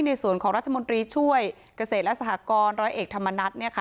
ในส่วนของรัฐมนตรีช่วยเกษตรและสหกรร้อยเอกธรรมนัฐเนี่ยค่ะ